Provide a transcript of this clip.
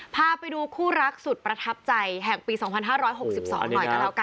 พาไปดูคู่รักสุดประทับใจแห่งปี๒๕๖๒หน่อยก็แล้วกัน